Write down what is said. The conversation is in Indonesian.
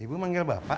ibu manggil bapak